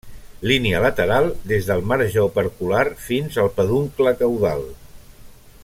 Línia lateral des del marge opercular fins al peduncle caudal.